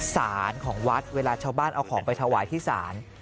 สารของวัดเวลาชาวบ้านเอาของไปถวายที่ศาล